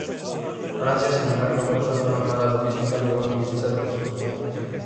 Francia, sin embargo, a causa de una mala logística, logró movilizar solo hombres.